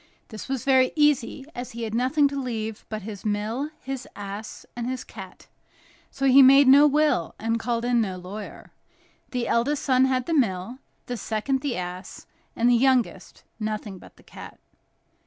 This was very easy, as he had nothing to leave but his mill, his ass, and his cat; so he made no will, and called in no lawyer. The eldest son had the mill; the second, the ass; and the youngest, nothing but the cat.